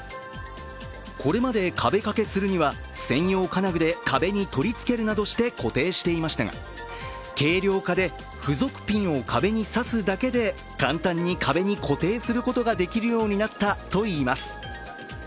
これまで壁掛けするには専用金具で壁に取り付けるなどして固定していましたが軽量化で付属ピンを壁に刺すだけで簡単に壁に固定することができるようになったといいます。